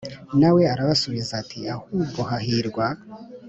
Na we aramusubiza ati Ahubwo hahirwa